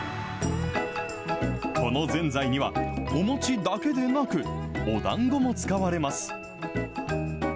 このぜんざいには、お餅だけでなく、おだんごも使われます。